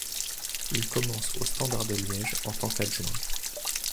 Il commence au Standard de Liège en tant qu'adjoint.